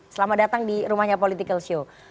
selamat datang di rumahnya political show